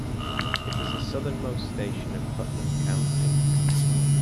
It is the southernmost station in Putnam County.